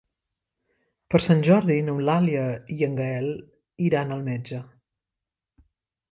Per Sant Jordi n'Eulàlia i en Gaël iran al metge.